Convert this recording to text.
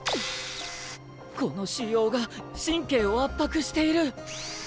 この腫瘍が神経を圧迫している！